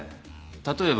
例えば。